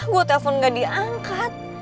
gue telepon gak diangkat